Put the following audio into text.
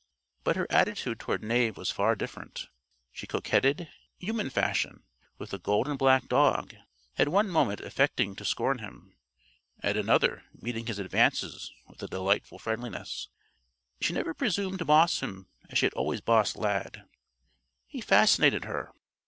But her attitude toward Knave was far different. She coquetted, human fashion, with the gold and black dog at one moment affecting to scorn him, at another meeting his advances with a delighted friendliness. She never presumed to boss him as she had always bossed Lad. He fascinated her.